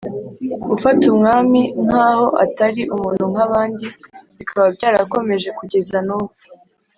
gufata Umwami nk’aho atari umuntu nk’abandi, bikaba byarakomeje kugeza nubu